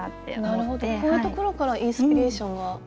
なるほどこういうところからインスピレーションが。